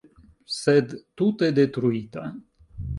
Sed, tute detruita.